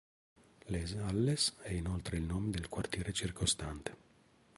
Les Halles è inoltre il nome del quartiere circostante.